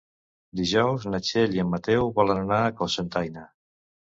Dijous na Txell i en Mateu volen anar a Cocentaina.